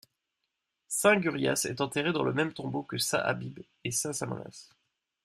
Saint Gurias est enterré dans le même tombeau que saint Habib et saint Samonas.